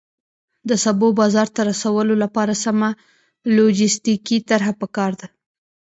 د سبو بازار ته رسولو لپاره سمه لوجستیکي طرحه پکار ده.